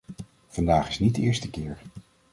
Vandaag is niet de eerste keer.